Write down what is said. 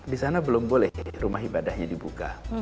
di sana belum boleh rumah ibadahnya dibuka